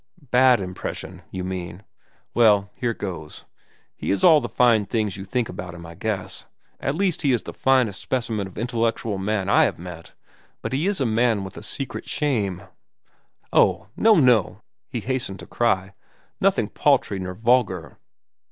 "Bad impression, you mean? Well, here goes. He is all the fine things you think about him, I guess. At least, he is the finest specimen of intellectual man I have met; but he is a man with a secret shame." "Oh, no, no!" he hastened to cry. "Nothing paltry nor vulgar.